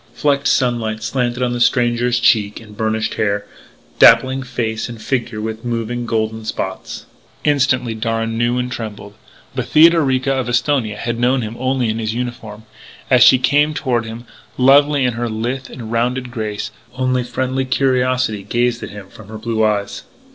Flecked sunlight slanted on the stranger's cheek and burnished hair, dappling face and figure with moving, golden spots. Instantly Darragh knew and trembled. But Theodorica of Esthonia had known him only in his uniform. As she came toward him, lovely in her lithe and rounded grace, only friendly curiosity gazed at him from her blue eyes.